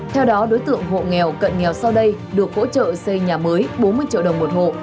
theo đó đối tượng hộ nghèo cận nghèo sau đây được hỗ trợ xây nhà mới bốn mươi triệu đồng một hộ